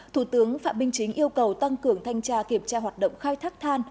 thủ tướng phạm minh chính yêu cầu tăng cường thanh tra kiểm tra hoạt động khai thác than